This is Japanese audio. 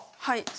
はい。